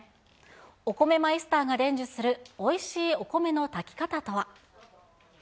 お米マイスターが伝授する、おいしいお米の炊き方とは。